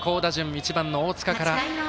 １番の大塚から。